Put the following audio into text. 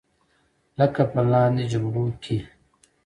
لکه په لاندې جملو کې.